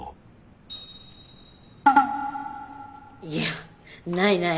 いやないない。